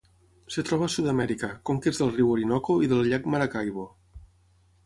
Es troba a Sud-amèrica: conques del riu Orinoco i del llac Maracaibo.